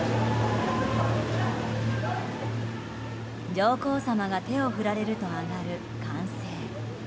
上皇さまが手を振られると上がる歓声。